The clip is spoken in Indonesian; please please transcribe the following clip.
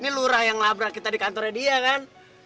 ini lurah yang labrak kita di kantornya dia kan